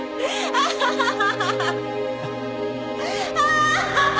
アハハハ。